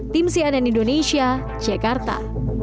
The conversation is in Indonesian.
tim cnn indonesia jakarta